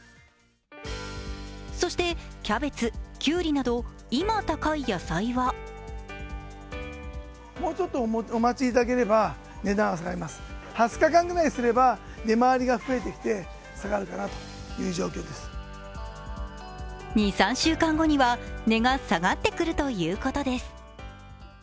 そしてキャベツ、きゅうりなど今、高い野菜は２３週間後には値が下がってくるということです。